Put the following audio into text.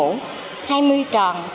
hai mươi tròn con trở về nhà